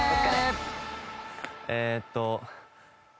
えーっと。